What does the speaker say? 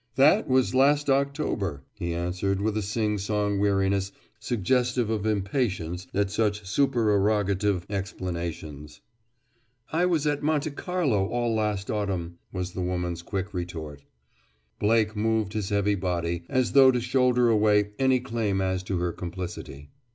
"That was last October," he answered with a sing song weariness suggestive of impatience at such supererogative explanations. "I was at Monte Carlo all last autumn," was the woman's quick retort. Blake moved his heavy body, as though to shoulder away any claim as to her complicity.